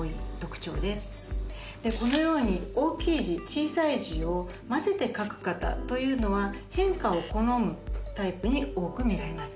このように大きい字小さい字を交ぜて書く方というのは変化を好むタイプに多く見られます。